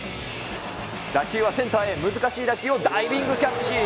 打球はセンターへ、難しい打球をダイビングキャッチ。